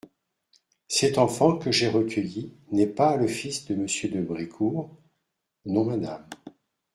Cet enfant que j'ai recueilli n'est pas le fils de Monsieur de Brécourt ? Non, madame.